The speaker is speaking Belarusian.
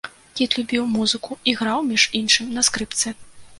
Кіт любіў, музыку, іграў, між іншым, на скрыпцы.